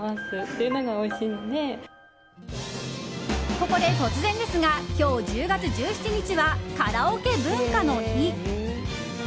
ここで突然ですが今日１０月１７日はカラオケ文化の日。